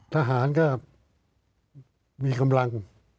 ทหารก็มีกำลัง